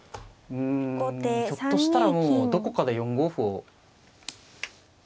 うんひょっとしたらもうどこかで４五歩を。